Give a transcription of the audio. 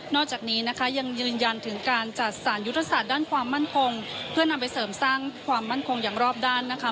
จากนี้นะคะยังยืนยันถึงการจัดสารยุทธศาสตร์ด้านความมั่นคงเพื่อนำไปเสริมสร้างความมั่นคงอย่างรอบด้านนะคะ